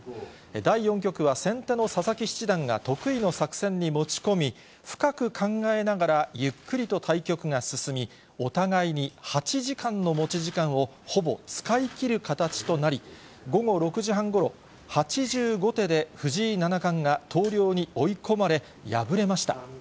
第４局は先手の佐々木七段が得意の作戦に持ち込み、深く考えながら、ゆっくりと対局が進み、お互いに８時間の持ち時間をほぼ使い切る形となり、午後６時半ごろ、８５手で藤井七冠が投了に追い込まれ、敗れました。